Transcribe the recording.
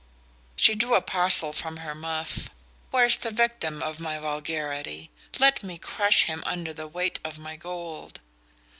'" She drew a parcel from her muff. "Where's the victim of my vulgarity? Let me crush him under the weight of my gold."